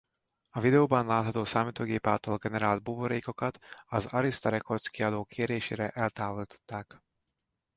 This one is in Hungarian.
A videoban látható számítógép által generált buborékokat az Arista Records kiadó kérésére eltávolították.